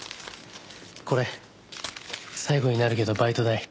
これ最後になるけどバイト代。